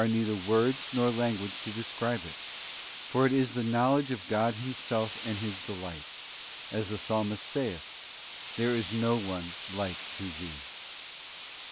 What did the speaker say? neither words nor language to describe it, for it is the know ledge of God Himself and His delights; as the Psalmist saith, 'There is no one like to Thee.